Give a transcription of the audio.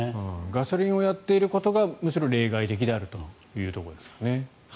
ガソリンをやっていることがむしろ例外的であるということですからね。